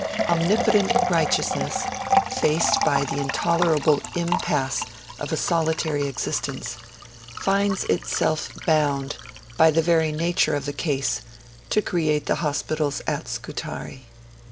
Omnipotent Righteousness, faced by the intolerable impasse of a solitary existence, finds itself bound by the very nature of the cause, to create the hospitals at Scutari.